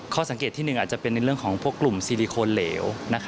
สังเกตที่๑อาจจะเป็นในเรื่องของพวกกลุ่มซีลิโคนเหลว